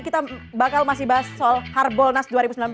kita bakal masih bahas soal harbolnas dua ribu sembilan belas